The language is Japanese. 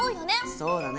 そうだね。